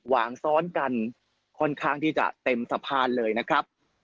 วางซ้อนกันค่อนข้างที่จะเต็มสะพานเลยนะครับ